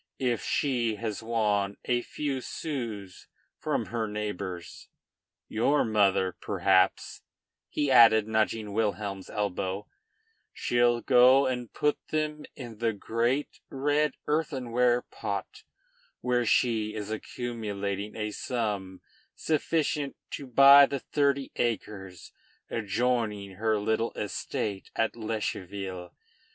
If she has won a few sous from her neighbors your mother, perhaps," he added, nudging Wilhelm's elbow "she'll go and put them in the great red earthenware pot, where she is accumulating a sum sufficient to buy the thirty acres adjoining her little estate at Lescheville.